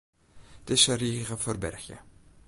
Dizze rige ferbergje.